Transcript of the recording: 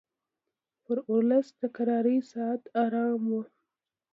پر اولس د کرارۍ ساعت حرام وو